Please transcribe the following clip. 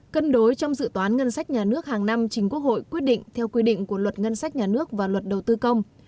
cân đối trong dự toán ngân sách nhà nước hàng năm chính quốc hội quyết định theo quy định của luật ngân sách nhà nước và luật đầu tư công